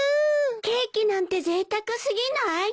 ケーキなんてぜいたく過ぎない？